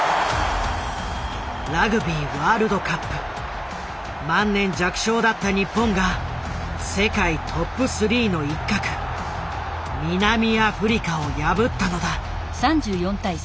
ラグビーワールドカップ万年弱小だった日本が世界トップ３の一角南アフリカを破ったのだ。